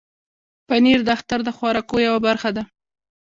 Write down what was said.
پنېر د اختر د خوراکو یوه برخه ده.